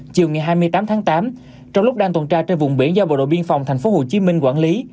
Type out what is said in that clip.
chiều ngày hai mươi tám tháng tám trong lúc đang tuần tra trên vùng biển do bộ đội biên phòng thành phố hồ chí minh quản lý